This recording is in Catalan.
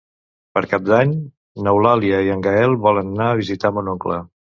Per Cap d'Any n'Eulàlia i en Gaël volen anar a visitar mon oncle.